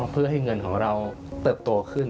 เพื่อให้เงินของเราเติบโตขึ้น